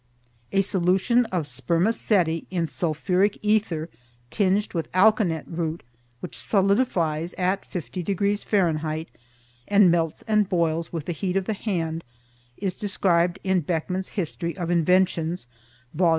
A solution of spermaceti in sulphuric ether tinged with alkanet root, which solidifies at 50 degrees F., and melts and boils with the heat of the hand, is described in Beckmann's History of Inventions, Vol.